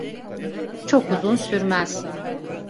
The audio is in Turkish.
Çok uzun sürmez.